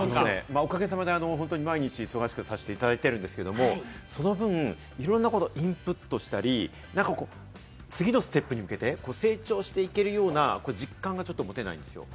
おかげさまで毎日忙しくさせていただいてるんですけれども、その分いろんなことをインプットしたり、次のステップに向けて成長していけるような実感が持てないんですよ。